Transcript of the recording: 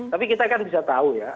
tapi kita kan bisa tahu ya